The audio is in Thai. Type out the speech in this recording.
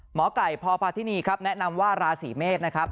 หมอไก่พพาธินีครับแนะนำว่าราศีเมษนะครับ